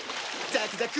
ザクザク！